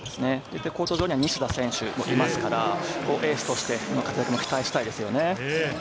コート上には西田選手もいますから、エースとして活躍も期待したいですね。